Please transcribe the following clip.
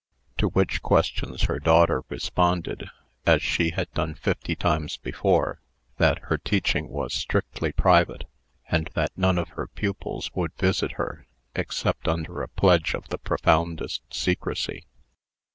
To which questions her daughter responded, as she had done fifty times before, that her teaching was strictly private, and that none of her pupils would visit her, except under a pledge of the profoundest secrecy.